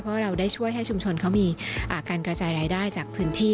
เพราะเราได้ช่วยให้ชุมชนเขามีการกระจายรายได้จากพื้นที่